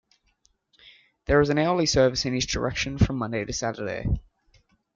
There is an hourly service in each direction from Monday to Saturday.